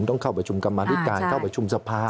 ต้องเข้าประชุมกรรมธิการเข้าประชุมสภา